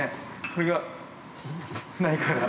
それが、ないから。